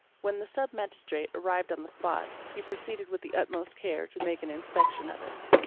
When the Sub Magistrate arrived on the spot he proceeded with the utmost care to make an inspection of it.